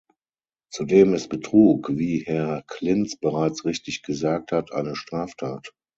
Zudem ist Betrug, wie Herr Klinz bereits richtig gesagt hat, eine Straftat.